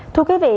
thưa quý vị